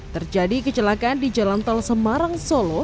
terjadi kecelakaan di jalan tol semarang solo